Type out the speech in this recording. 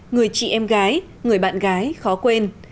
người chị em gái người bạn gái khó quên